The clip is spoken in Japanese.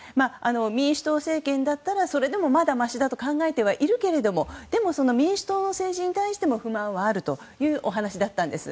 民主党政権だったらそれでもまだマシだと考えてはいるけれども民主党の政治に対しても不満はあるというお話だったんです。